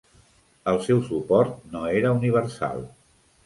El seu suport no era universal.